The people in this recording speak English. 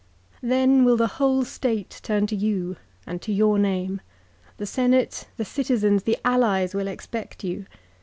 " Then will the whole State turn to you and to your name. The Senate, the citizens, the allies will expect you.